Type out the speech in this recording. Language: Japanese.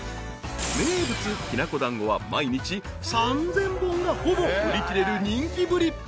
［名物きな粉団子は毎日３，０００本がほぼ売り切れる人気ぶり］